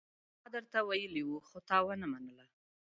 ما درته ويلي وو، خو تا ونه منله.